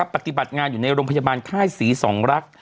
ปฏิบัติงานอยู่ในโรงพยาบาลค่ายศรีสองรัก